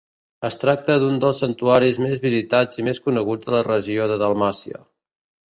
Es tracta d'un dels santuaris més visitats i més coneguts de la regió de Dalmàcia.